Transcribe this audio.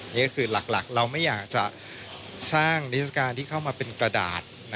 นี่ก็คือหลักเราไม่อยากจะสร้างนิทรการที่เข้ามาเป็นกระดาษ